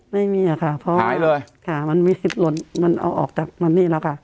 ไม่มีอ่ะค่ะหายเลยค่ะมันไม่คิดลดมันเอาออกจากนั้นนี่แล้วค่ะ